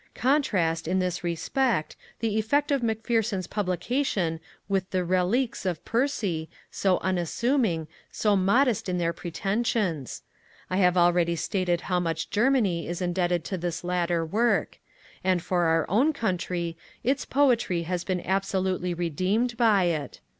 Contrast, in this respect, the effect of Macpherson's publication with the Reliques of Percy, so unassuming, so modest in their pretensions! I have already stated how much Germany is indebted to this latter work; and for our own country, its poetry has been absolutely redeemed by it.